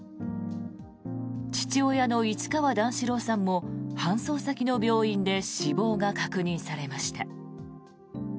父親の市川段四郎さんも搬送先の病院で死亡が確認されました。